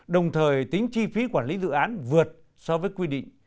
đồng thời tính chi phí quản lý dự án vượt so với quy định